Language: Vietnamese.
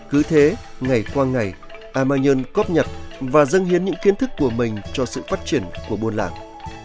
cứ thế ngày qua ngày ai ma nhơn cốp nhật và dâng hiến những kiến thức của mình cho sự phát triển của buôn làng